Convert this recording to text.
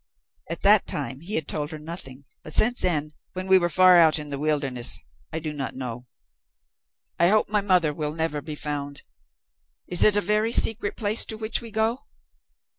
At that time he had told her nothing, but since then when we were far out in the wilderness I do not know. I hope my mother will never be found. Is it a very secret place to which we go?"